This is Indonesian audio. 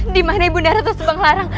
dimana ibu nda ratu subang larang